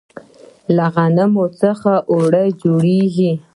له غنمو څخه اوړه جوړیږي.